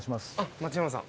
町山さん。